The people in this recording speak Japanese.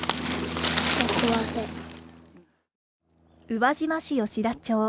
宇和島市吉田町。